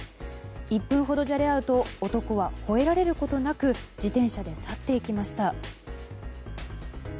１分ほどじゃれ合うと男はほえられることなく自転車で去っていきました。